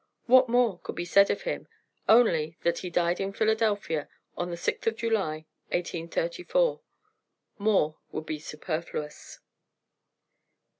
What more could be said of him, only that he died at Philadelphia on the 6th of July, 1835; more would be superfluous.